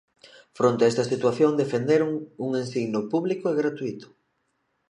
Fronte a esta situación, defenderon, un ensino público e gratuíto.